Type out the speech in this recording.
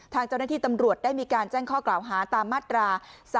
ทางเจ้าหน้าที่ตำรวจได้มีการแจ้งข้อกล่าวหาตามมาตรา๓๔